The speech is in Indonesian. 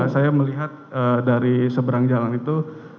saya melihat dari seberang jalan itu